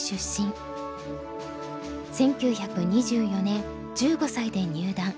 １９２４年１５歳で入段。